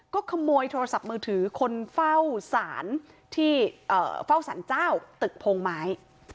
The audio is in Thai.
ก็ขโมยโทรศัพท์มือถือคนเฝ้าสารเจ้าตึกโพงไม้